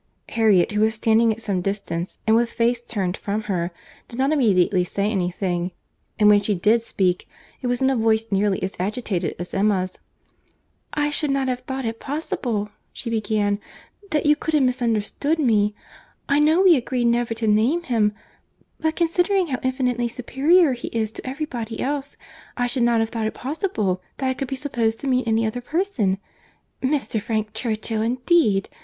Harriet, who was standing at some distance, and with face turned from her, did not immediately say any thing; and when she did speak, it was in a voice nearly as agitated as Emma's. "I should not have thought it possible," she began, "that you could have misunderstood me! I know we agreed never to name him—but considering how infinitely superior he is to every body else, I should not have thought it possible that I could be supposed to mean any other person. Mr. Frank Churchill, indeed!